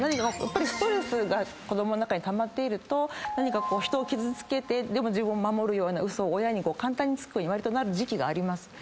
ストレスが子供の中にたまっていると人を傷つけてでも自分を守るようなウソを親に簡単につくようにわりとなる時期があります。